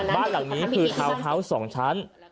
บ้านหลังนี้คือทาวน์ฮาวส์๒ชั้น